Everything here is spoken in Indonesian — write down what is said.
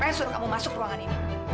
siapa yang suruh kamu masuk ruangan ini